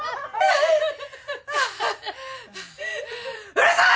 うるさい！